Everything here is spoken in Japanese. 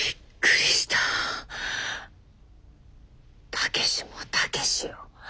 武志も武志よ